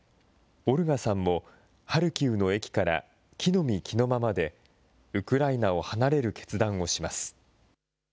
オルガさんもハルキウの駅から着のみ着のままでウクライナを離れる決断をします。